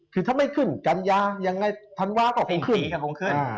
คือถ้าไม่ขึ้นกรรยายังไงทันวะก็คงขึ้น